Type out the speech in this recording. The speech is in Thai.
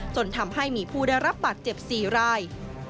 จนทำให้มีผู้ได้รับบาดเจ็บ๔ราย